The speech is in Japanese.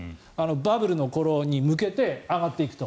バブルの頃に向けて上がっていくと。